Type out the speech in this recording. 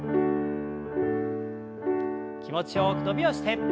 気持ちよく伸びをして。